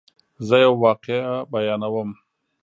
زه یوه واقعه بیانوم.